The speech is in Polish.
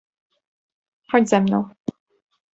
"Chodź ze mną!"